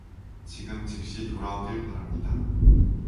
지금 즉시 돌아오길 바랍니다